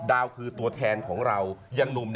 ดาวคือตัวแทนของเรายังหนุ่ม